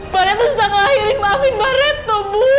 baria toto sudah ngelahirin maafin mbak retno ibu